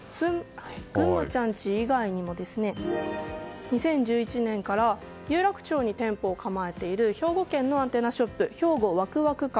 ぐんまちゃん家以外にも２０１１年から有楽町に店舗を構えている兵庫県のアンテナショップ兵庫わくわく館。